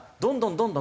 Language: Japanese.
どんどん